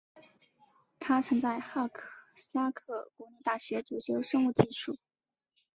他曾在哈萨克国立大学主修生物技术。